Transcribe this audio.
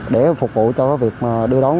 để phục vụ cho việc đưa đón